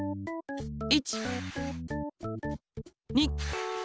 １！２！